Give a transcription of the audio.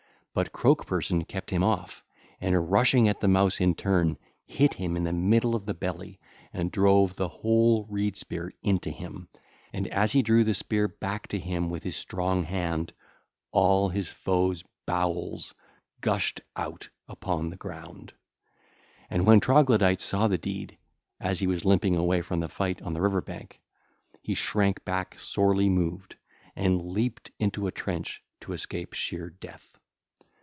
But Croakperson kept him off, and rushing at the Mouse in turn, hit him in the middle of the belly and drove the whole reed spear into him, and as he drew the spear back to him with his strong hand, all his foe's bowels gushed out upon the ground. And when Troglodyte saw the deed, as he was limping away from the fight on the river bank, he shrank back sorely moved, and leaped into a trench to escape sheer death.